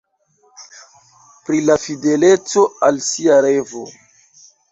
Pri la fideleco al sia revo.